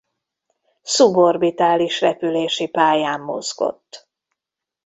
Szuborbitális repülési pályán mozgott.